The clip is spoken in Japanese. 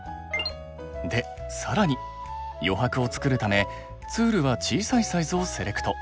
で更に余白をつくるためツールは小さいサイズをセレクト。